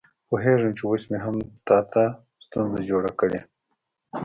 پوهېږم چې اوس مې هم تا ته ستونزه جوړه کړې.